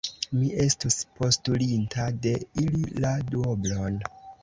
Mi estus postulinta de ili la duoblon.